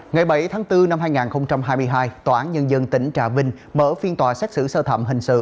ngày bảy tháng bốn năm hai nghìn hai mươi hai tòa án nhân dân tỉnh trà vinh mở phiên tòa xét xử sơ thẩm hình sự